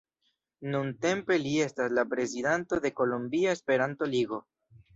Nuntempe li estas la prezidanto de Kolombia Esperanto-Ligo.